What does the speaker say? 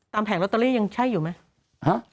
ตัมแห่งหลัวโตเตอรี่ยังใช่อยู่ไหม